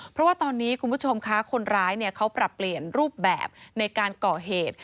เพราะว่าตอนนี้คุณผู้ชมคะคนร้ายเขาปรับเปลี่ยนรูปแบบในการก่อเหตุ